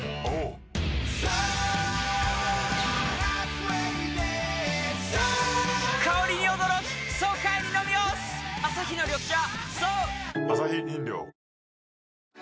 颯颯アサヒの緑茶